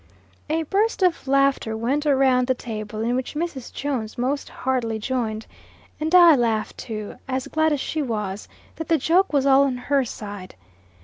A burst of laughter went around the table, in which Mrs. Jones most heartily joined; and I laughed, too, as glad as she was, that the joke was all on her side.